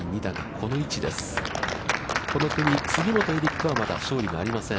この組、杉本エリックはまだ勝利がありません。